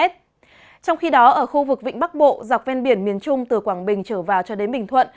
trong khi đó ở khu vực vịnh bắc bộ dọc ven biển miền trung từ quảng bình trở vào cho đến bình thuận